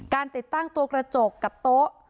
ติดตั้งตัวกระจกกับโต๊ะ